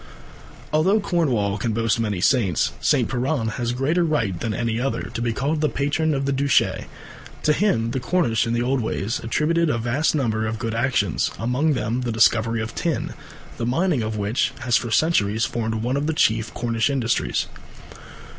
Although Cornwall can boast many saints, St. Piran has greater right than any other to be called the patron of the Duchy. To him the Cornish in the old days attributed a vast number of good actions, among them the discovery of tin, the mining of which has for centuries formed one of the chief Cornish industries.